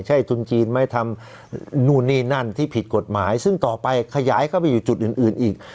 ใช่ทุนจีนไม่ทำนู่นนี่นั่นที่ผิดกฎหมายซึ่งต่อไปขยายเข้าไปอยู่จุดอื่นอื่นอีก